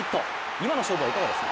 今の勝負はいかがですか？